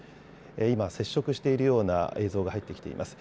今、接触しているような映像が入ってきています。